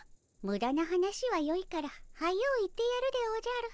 むだな話はよいから早う行ってやるでおじゃる。